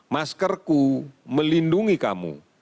maskerku melindungi kamu